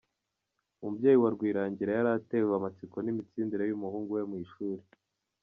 Umubyeyi wa Rwirangira yari atewe amatsiko n’imitsindire y’umuhungu we mu ishuri